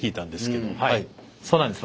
そうなんです。